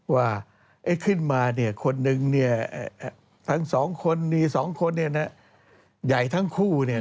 ว่าขึ้นมาคนนึงทั้งสองคนมี๒คนใหญ่ทั้งคู่